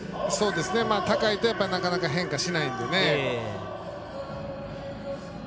高いとなかなか変化しないのでね。